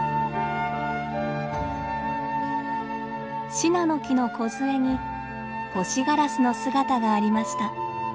シナノキのこずえにホシガラスの姿がありました。